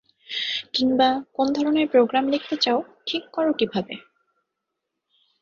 কিংবা, কোন ধরনের প্রোগ্রাম লিখতে চাও ঠিক করো কীভাবে?